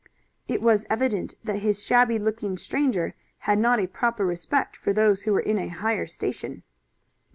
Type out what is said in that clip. It was evident that this shabby looking stranger had not a proper respect for those who were in a higher station.